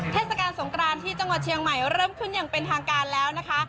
เทศกาลสงกรานที่จังหวัดเชียงใหม่เริ่มขึ้นอย่างเป็นทางการแล้วนะคะ